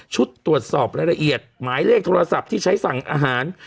ตรวจสอบรายละเอียดหมายเลขโทรศัพท์ที่ใช้สั่งอาหาร